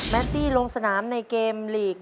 แมทรีรงสนามในเกมห์ลีก